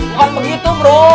bukan begitu bro